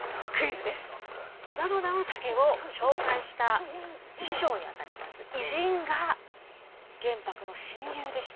小田野直武を紹介した師匠にあたります偉人が玄白の親友でした。